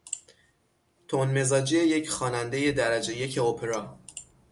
تند مزاجی یک خوانندهی درجه یک اپرا